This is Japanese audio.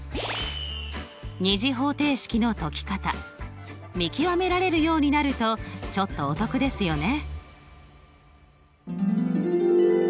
２次方程式の解き方見極められるようになるとちょっとお得ですよね。